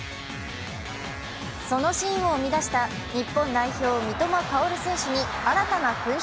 そのシーンを生み出した日本代表、三笘薫選手。